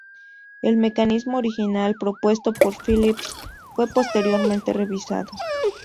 El mecanismo original propuesto por Phillips fue posteriormente revisado.